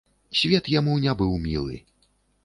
Свет яму не быў мілы.